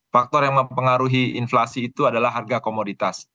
faktor yang mempengaruhi inflasi itu adalah harga komoditas